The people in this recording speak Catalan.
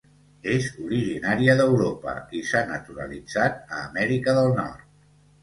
És originària d'Europa i s'ha naturalitzat a Amèrica del Nord.